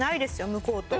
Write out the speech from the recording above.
向こうと。